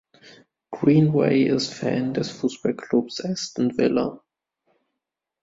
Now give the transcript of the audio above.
Greenway ist Fan des Fußballklubs Aston Villa.